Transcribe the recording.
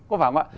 có phải không ạ